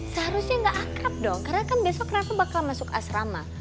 seharusnya nggak akrab dong karena kan besok kenapa bakal masuk asrama